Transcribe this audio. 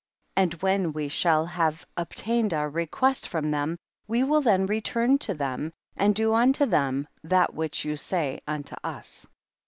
17. And when we shall have ob THE BOOK OF JASHER. 101 tained our request from them, we will then return to them and do unto them that which you say unto us.